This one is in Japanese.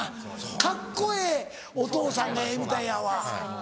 カッコええお父さんがええみたいやわ。